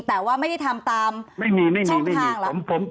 แต่ว่าไม่ได้ทำตามช่องทางล่ะ